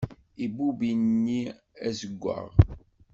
Ibubb ini azeggaɣ.